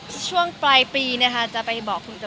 มีปิดฟงปิดไฟแล้วถือเค้กขึ้นมา